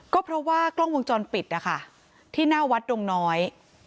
ก็เพราะว่ากล้องวงจรปิดนะคะที่หน้าวัดดงน้อย